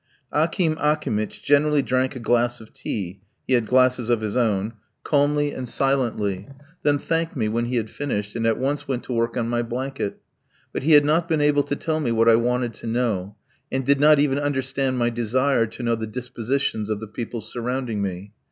Akim Akimitch generally drank a glass of tea (he had glasses of his own) calmly and silently, then thanked me when he had finished, and at once went to work on my blanket; but he had not been able to tell me what I wanted to know, and did not even understand my desire to know the dispositions of the people surrounding me.